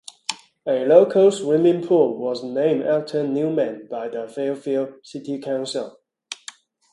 A local swimming pool was named after Newman by the Fairfield City Council.